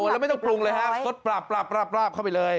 แล้วไม่ต้องปรุงเลยฮะซดปราบ